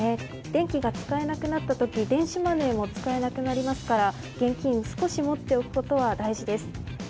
電気が使えなくなった時電子マネーも使えなくなりますから現金を少し持っておくことは大事です。